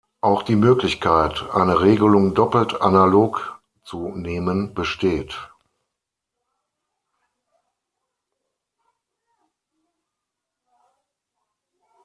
Auch die Möglichkeit, eine Regelung doppelt analog zu nehmen, besteht.